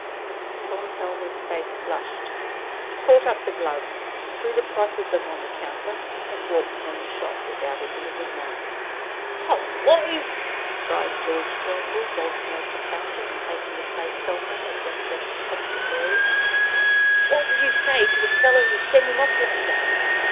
Tom Helmer's face flushed. He caught up the gloves, threw the price of them on the counter, and walked from the shop, without even a good night. "Hullo!" cried George Turnbull, vaulting over the counter, and taking the place Helmer had just left opposite Mary; "what did you say to the fellow to send him off like that?